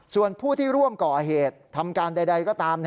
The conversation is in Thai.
ส่วนผู้ที่ร่วมก่อเหตุทำการใดก็ตาม